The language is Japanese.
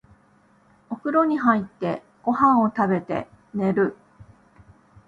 お風呂に入って、ご飯を食べて、寝る。